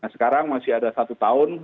sekarang masih ada satu tahun